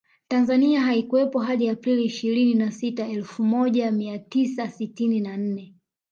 Tanzania haikuwepo hadi Aprili ishirini na sita Elfu moja mia tisa sitini na nne